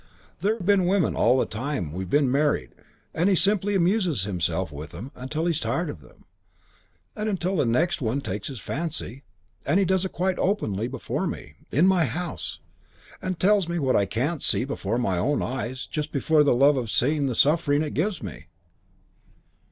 There have been women all the time we've been married and he simply amuses himself with them until he's tired of them, and until the next one takes his fancy, and he does it quite openly before me, in my house, and tells me what I can't see before my own eyes just for the love of seeing the suffering it gives me.